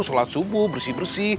sholat subuh bersih bersih